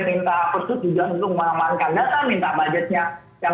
minta khusus juga untuk memanamankan data minta budgetnya